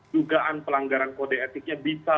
dugaan pelanggaran kode etiknya bisa